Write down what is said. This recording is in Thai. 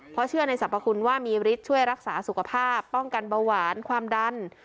เพราะเชื่อในสรรพคุณว่ามีฤทธิ์ช่วยรักษาสุขภาพป้องกันเบาหวานความดัน